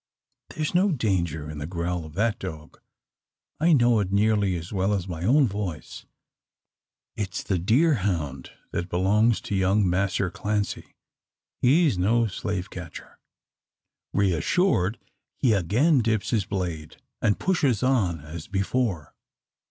"There's no danger in the growl of that dog. I know it nearly as well as my own voice. It's the deer hound that belong to young Masser Clancy. He's no slave catcher." Re assured he again dips his blade, and pushes on as before.